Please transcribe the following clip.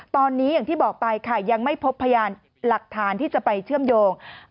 ตอนนี้อย่างที่บอกไปค่ะยังไม่พบพยานหลักฐานที่จะไปเชื่อมโยง